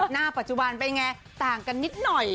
หน้าปัจจุบันเป็นไงต่างกันนิดหน่อย